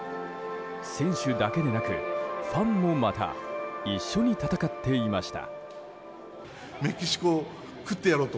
選手だけでなくファンもまた一緒に戦っていました。